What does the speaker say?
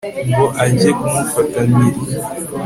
ngo ajye kumufata mpiri